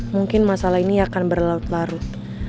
mungkin masalah ini akan berlarut larut